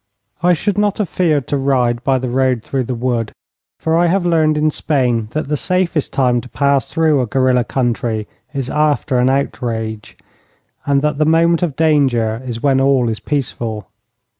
I should not have feared to ride by the road through the wood, for I have learned in Spain that the safest time to pass through a guerilla country is after an outrage, and that the moment of danger is when all is peaceful.